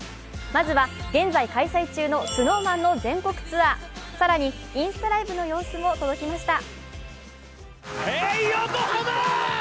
まずは現在、開催中のＳｎｏｗＭａｎの全国ツアー更に、インスタライブの様子も届きました。